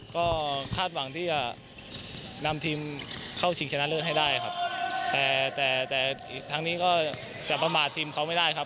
ก็คาดหวังที่จะนำทีมเข้าชิงชนะเลิศให้ได้ครับแต่แต่ทางนี้ก็จะประมาททีมเขาไม่ได้ครับ